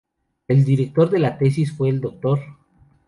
El director de la tesis fue el Dr.